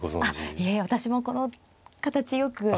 いえ私もこの形よく。